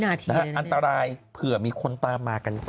อันตรายเผื่อมีคนตามมากัน